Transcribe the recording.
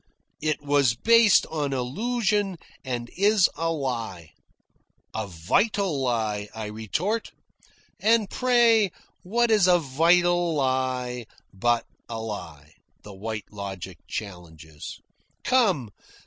"It was based on illusion and is a lie." "A vital lie," I retort. "And pray what is a vital lie but a lie?" the White Logic challenges. "Come.